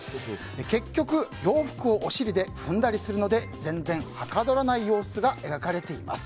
結局、洋服をおしりで踏んだりするので全然はかどらない様子が描かれています。